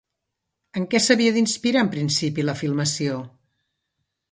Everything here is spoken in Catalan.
En què s'havia d'inspirar, en principi, la filmació?